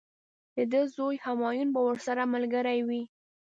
د ده زوی همایون به ورسره ملګری وي.